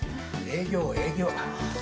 営業営業。